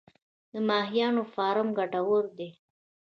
د ماهیانو فارم ګټور دی؟